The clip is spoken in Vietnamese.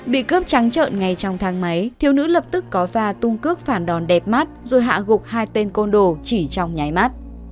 bị cướp trắng trợn ngay trong thang máy thiếu nữ lập tức có pha tung cướp phản đòn đẹp mắt rồi hạ gục hai tên côn đồ chỉ trong nhái mắt